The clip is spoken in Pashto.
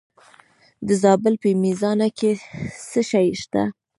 د زابل په میزانه کې څه شی شته؟